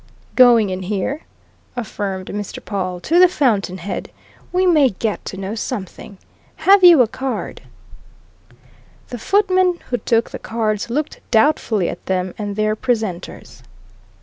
"Going in here," affirmed Mr. Pawle, "to the fountain head. We may get to know something. Have you a card?" The footman who took the cards looked doubtfully at them and their presenters.